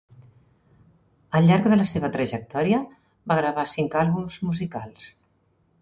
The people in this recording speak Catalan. Al llarg de la seva trajectòria va gravar cinc àlbums musicals.